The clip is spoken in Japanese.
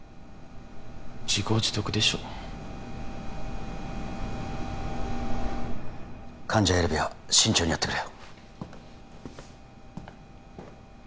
自業自得でしょ患者選びは慎重にやってくれよ